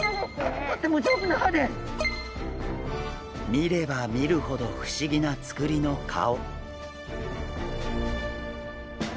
見れば見るほど不思議なつくりの顔。